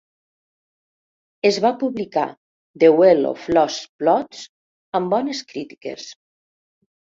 Es va publicar "The Well of Lost Plots" amb bones crítiques.